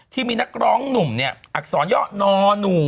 ที่มีนักร้องหนุ่มเนี่ยอักษรย่อนอหนู